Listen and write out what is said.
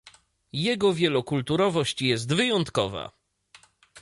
Jego wielokulturowość jest wyjątkowa